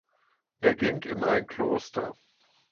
Er ging in ein Kloster.